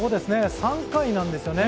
３回なんですよね。